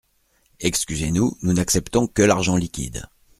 Excusez-nous, nous n’acceptons que l’argent liquide.